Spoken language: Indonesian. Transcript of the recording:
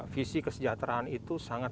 visi kesejahteraan itu sangat